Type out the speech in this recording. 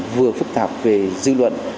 vừa phức tạp về dư luận